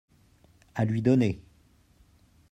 à lui donner.